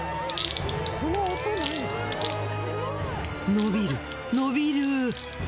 伸びる伸びる。